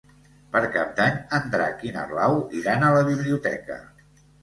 Per Cap d'Any en Drac i na Blau iran a la biblioteca.